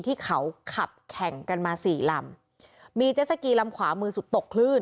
ที่เขาขับแข่งกันมาสี่ลำมีเจสสกีลำขวามือสุดตกคลื่น